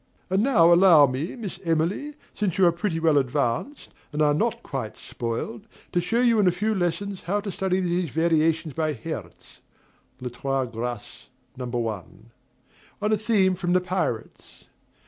And now allow me, Miss Emily, since you are pretty well advanced, and are not quite spoiled, to show you in a few lessons how to study these variations by Herz (Les Trois Graces, No. 1, on a theme from "The Pirates").